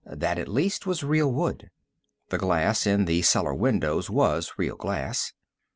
That, at least, was real wood. The glass in the cellar windows was real glass.